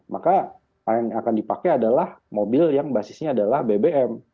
maka yang akan dipakai adalah mobil yang basisnya adalah bbm